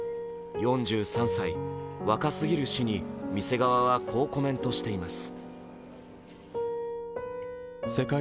４３歳、若すぎる死に店側はこうコメントしています。